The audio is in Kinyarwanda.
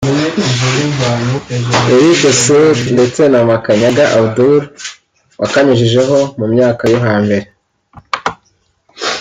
Eric Soul ndetse na Makanyaga Abdoul wakanyujijeho mu myaka yo hambere